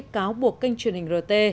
cáo buộc kênh truyền hình rt